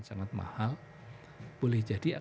sangat mahal boleh jadi